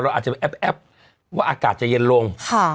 เราอาจจะแอบว่าอากาศจะเย็นลง